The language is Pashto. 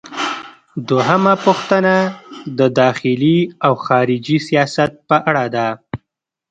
دوهمه پوښتنه د داخلي او خارجي سیاست په اړه ده.